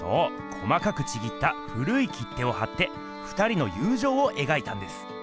細かくちぎった古い切手を貼って２人のゆうじょうをえがいたんです。